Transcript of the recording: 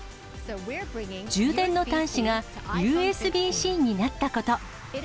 充電の端子がＵＳＢーＣになったこと。